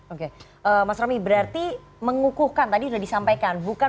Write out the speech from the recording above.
oke mas romi berarti mengukuhkan tadi sudah disampaikan